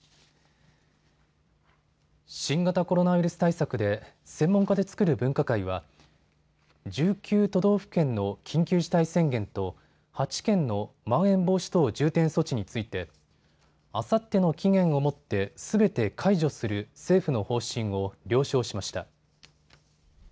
新型コロナウイルス対策で専門家で作る分科会は１９都道府県の緊急事態宣言と８県のまん延防止等重点措置についてあさっての期限をもってすべて解除する政府の方針を了承しました。